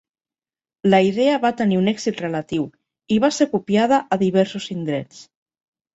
La idea va tenir un èxit relatiu i va ser copiada a diversos indrets.